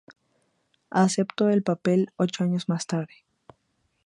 Aceptó el papel ocho años más tarde.